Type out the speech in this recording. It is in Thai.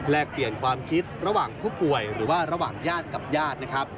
เปลี่ยนความคิดระหว่างผู้ป่วยหรือว่าระหว่างญาติกับญาตินะครับ